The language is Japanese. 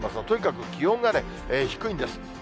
とにかく気温が低いんです。